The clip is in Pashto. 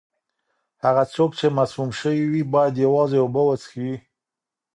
هغه څوک چې مسموم شوی وي، باید یوازې اوبه وڅښي.